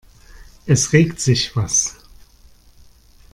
Es regt sich was.